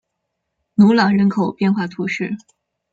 努朗人口变化图示